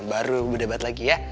baru beda beda lagi ya